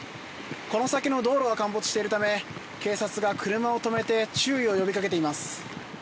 この先の道路が陥没しているため警察が車を止めて注意を呼びかけています。